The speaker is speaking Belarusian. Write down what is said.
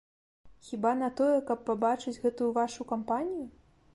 Хіба на тое, каб пабачыць гэтую вашу кампанію?